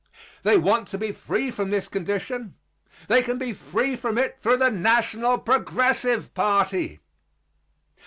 They want to be free from this condition; they can be free from it through the National Progressive party.